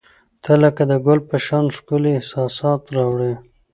• ته لکه د ګل په شان ښکلي احساسات راوړي.